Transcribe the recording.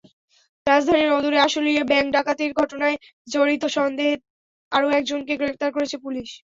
রাজধানীর অদূরে আশুলিয়ায় ব্যাংক ডাকাতির ঘটনায় জড়িত সন্দেহে আরও একজনকে গ্রেপ্তার করেছে পুলিশ।